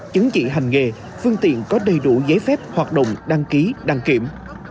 chứng chỉ hành nghề phương tiện có đầy đủ giấy phép hoạt động đăng ký đăng kiểm